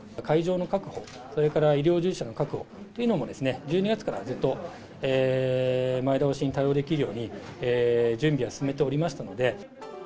会場の確保、それから医療従事者の確保というのもですね、１２月からずっと前倒しに対応できるように準備は進めておりましたので。